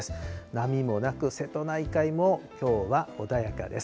波もなく、瀬戸内海もきょうは穏やかです。